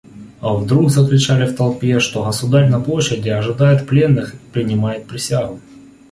Вдруг закричали в толпе, что государь на площади ожидает пленных и принимает присягу.